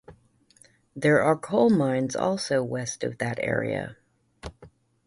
There are coal mines also west of the area.